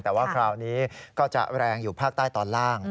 แต่ว่าคราวนี้ก็จะแรงอยู่ภาคใต้ตอนล่าง